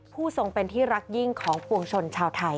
ทรงเป็นที่รักยิ่งของปวงชนชาวไทย